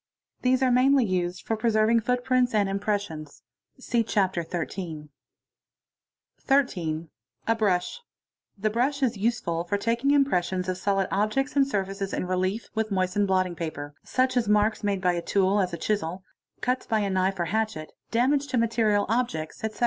These are mair of use for preserving footprints and impressions (see Chapter XII1.) — 13. A brush. The brush is useful for taking impressions of sol objects and surfaces in relief, with moistened blotting paper; such marks made by a tool, as a chisel, cuts by a knife or hatchet, damage material objects, ete.